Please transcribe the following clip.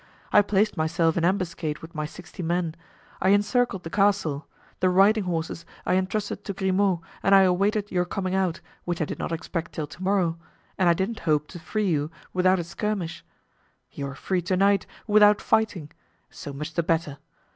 I placed myself in ambuscade with my sixty men; I encircled the castle; the riding horses I entrusted to Grimaud and I awaited your coming out, which I did not expect till to morrow, and I didn't hope to free you without a skirmish. You are free to night, without fighting; so much the better!